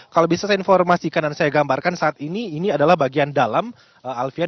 kalau bisa saya informasikan dan saya gambarkan saat ini ini adalah bagian dalam alfian